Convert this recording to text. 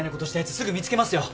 すぐ見つけますよ。